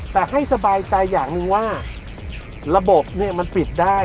แต่ให้สบายใจอย่างหนึ่งว่าระบบเนี่ยมันปิดได้